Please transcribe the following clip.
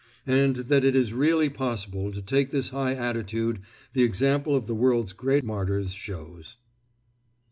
And that it is really possible to take this high attitude the example of the world's great martyrs shows.